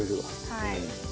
はい。